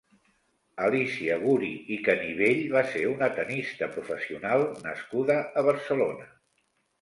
Alícia Guri i Canivell va ser una tennista professional nascuda a Barcelona.